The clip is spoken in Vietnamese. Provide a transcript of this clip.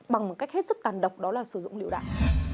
bằng một cách hết sức tàn độc đó là sử dụng lựu đạn